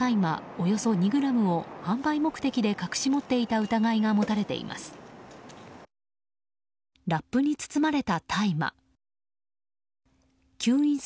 およそ２ｇを販売目的で隠し持っていた疑いが持たれています。